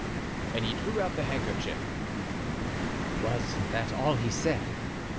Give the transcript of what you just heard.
And he drew out the handkerchief. "Was that all he said?"